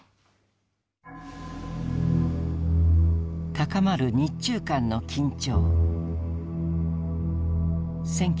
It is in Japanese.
高まる日中間の緊張。